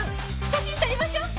写真撮りましょう！